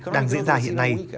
đang diễn ra hiện nay